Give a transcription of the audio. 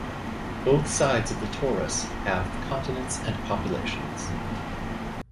Both sides of the torus have continents and populations.